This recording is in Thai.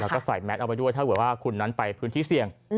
แล้วก็ใส่แมสเอาไว้ด้วยถ้าเกิดว่าคุณนั้นไปพื้นที่เสี่ยง